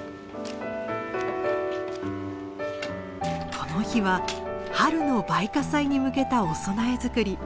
この日は春の梅花祭に向けたお供え作り。